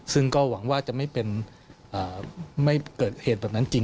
ซึ่งก็หวังว่าจะไม่เกิดเหตุแบบนั้นจริง